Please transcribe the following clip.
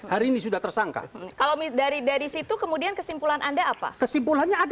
hari ini sudah tersangka kalau dari dari situ kemudian kesimpulan anda apa kesimpulannya apa